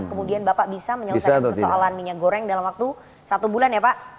kemudian bapak bisa menyelesaikan persoalan minyak goreng dalam waktu satu bulan ya pak